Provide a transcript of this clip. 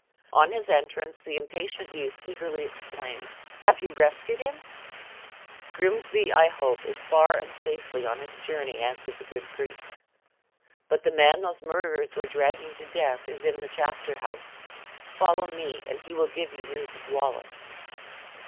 On his entrance, the impatient youth eagerly exclaimed, "Have you rescued him?" "Grimsby, I hope, is far and safely on his journey," answered the good priest; "but the man those murderers were dragging to death, is in the chapter house. Follow me, and he will give you news of Wallace."